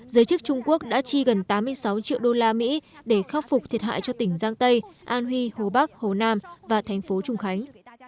giới chức trung quốc đã chi gần tám mươi sáu triệu đô la mỹ để khắc phục thiệt hại cho tỉnh giang tây an huy hồ bắc hồ nam và thành phố trung khánh